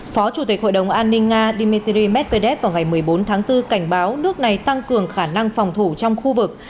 phó chủ tịch hội đồng an ninh nga dmitry medvedev vào ngày một mươi bốn tháng bốn cảnh báo nước này tăng cường khả năng phòng thủ trong khu vực